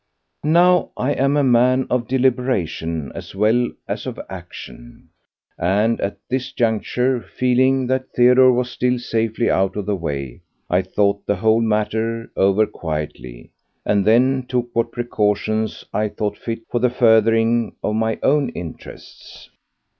Now, I am a man of deliberation as well as of action, and at this juncture—feeling that Theodore was still safely out of the way—I thought the whole matter over quietly, and then took what precautions I thought fit for the furthering of my own interests.